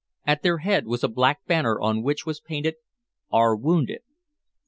At their head was a black banner on which was painted, "Our Wounded."